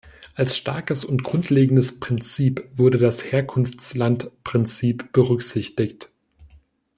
Als starkes und grundlegendes Prinzip wurde das Herkunftslandprinzip berücksichtigt.